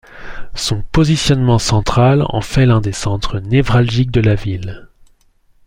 Son positionnement central en fait l'un des centres névralgiques de la ville.